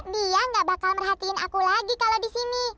dia gak bakal merhatiin aku lagi kalau di sini